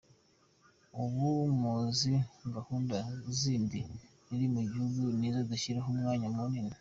Ubu muzi gahunda zindi riri mu gihugu nizo dushyizeho umwanya munini.